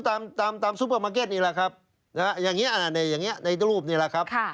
ตามซูเปอร์มาร์เก็ตนี้แหละครับอย่างนี้ในรูปนี้แหละครับ